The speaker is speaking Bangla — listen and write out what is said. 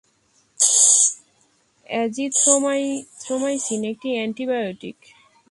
অ্যাজিথ্রোমাইসিন একটি অ্যান্টিবায়োটিক।